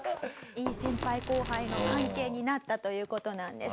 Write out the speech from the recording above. いい先輩後輩の関係になったという事なんです。